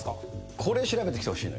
これ、調べてきてほしいの。